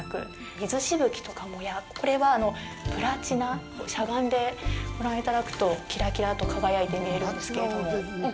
水しぶきとかも、これはプラチナしゃがんでご覧いただくとキラキラと輝いて見えるんですけども。